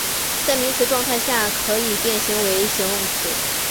在名词状态下可以变形为形容词。